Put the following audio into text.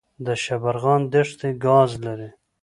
د شبرغان دښتې ګاز لري